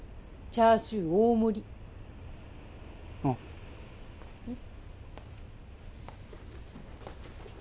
チャーシュー大盛りおううん